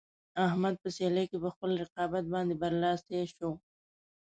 احمد په سیالۍ کې په خپل رقیب باندې برلاسی شو.